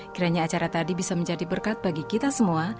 kiranya acara tadi bisa menjadi berkat bagi kita semua